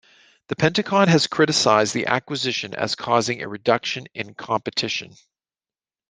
The Pentagon has criticized the acquisition as causing a reduction in competition.